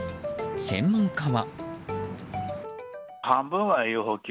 専門家は。